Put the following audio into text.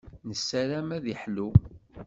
Nessaram ad iḥlu.